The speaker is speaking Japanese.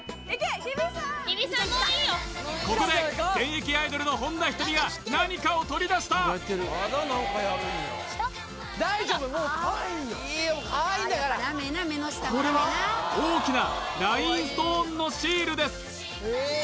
ここで現役アイドルの本田仁美が何かを取り出したこれは大きなラインストーンのシールです